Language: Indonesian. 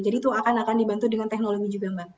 jadi itu akan dibantu dengan teknologi juga mbak